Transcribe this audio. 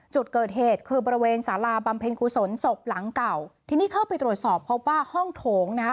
จุดเกิดเหตุคือบริเวณสาราบำเพ็ญกุศลศพหลังเก่าทีนี้เข้าไปตรวจสอบพบว่าห้องโถงนะคะ